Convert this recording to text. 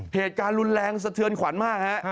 เหตุการณ์รุนแรงสะเทือนขวัญมากฮะ